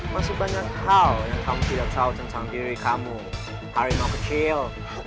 masih banyak hal yang kamu tidak tahu tentang diri kamu arema kecil